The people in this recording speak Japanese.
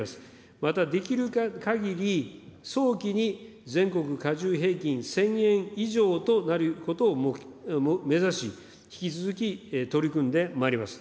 またできるかぎり早期に全国加重平均１０００円以上となることを目指し、引き続き取り組んでまいります。